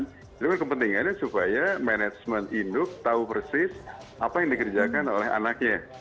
kemudian kepentingannya supaya management induk tahu persis apa yang dikerjakan oleh anaknya